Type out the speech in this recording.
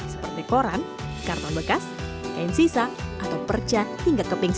seperti koran karton bekas kain sisa atau perca hingga keping